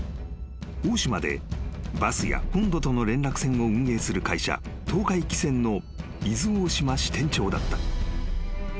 ［大島でバスや本土との連絡船を運営する会社東海汽船の伊豆大島支店長だった］